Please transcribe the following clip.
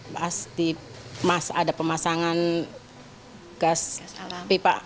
pas di mas ada pemasangan gas pipa